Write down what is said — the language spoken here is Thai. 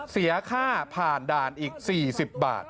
เสียค่าผ่านด่านอีก๔๐บาท